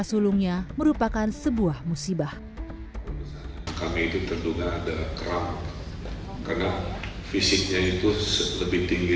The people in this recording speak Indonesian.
sulungnya merupakan sebuah musibah kami itu terduga ada keram karena fisiknya itu lebih tinggi